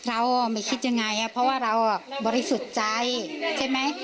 เราไม่คิดยังไงเพราะว่าเราบริสุทธิ์ใจใช่ไหม